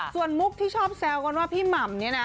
ส่วนมุกที่ชอบแซวกันว่าพี่หม่ำเนี่ยนะ